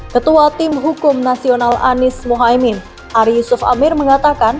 ketua tim hukum nasional anies mohaimin ari yusuf amir mengatakan